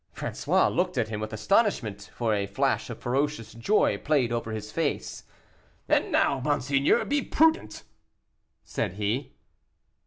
François looked at him with astonishment, for a flash of ferocious joy played over his face. "And now, monseigneur, be prudent," said he.